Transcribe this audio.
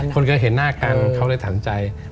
คนเคยเห็นหน้ากันเค้าเลยสนใจ